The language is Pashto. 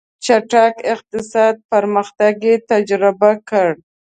چټک اقتصادي پرمختګ یې تجربه کړ.